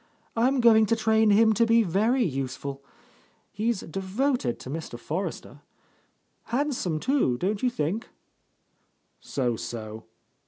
I'm going to train him to be very useful. He's devoted to Mr. Forrester. Hand some, don't you think?" "So so."